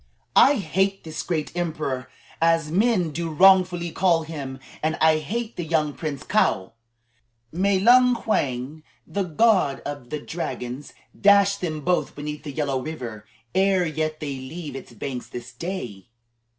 "I hate this great emperor, as men do wrongfully call him, and I hate the young Prince Kaou. May Lung Wang, the god of the dragons, dash them both beneath the Yellow River ere yet they leave its banks this day."